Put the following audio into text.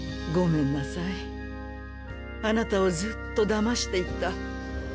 ごめんなさいあなたをずっと騙していた。